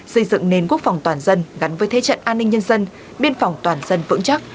xây dựng nền quốc phòng toàn dân gắn với thế trận an ninh nhân dân biên phòng toàn dân vững chắc